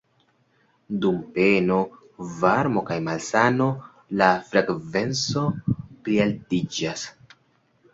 Dum peno, varmo kaj malsano la frekvenco plialtiĝas.